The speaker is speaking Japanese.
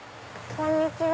こんにちは。